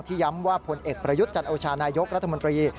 ย้ำว่าผลเอกประยุทธ์จันโอชานายกรัฐมนตรี